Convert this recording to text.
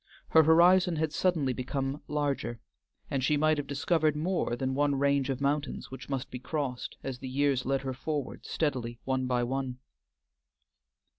Her horizon had suddenly become larger, and she might have discovered more than one range of mountains which must be crossed as the years led her forward steadily, one by one.